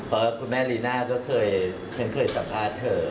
แล้วคุณแม่ลีน่าก็เคยสัมภาษณ์เธอ